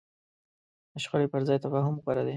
د شخړې پر ځای تفاهم غوره دی.